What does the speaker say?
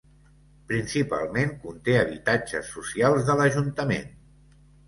Principalment conté habitatges socials de l'ajuntament.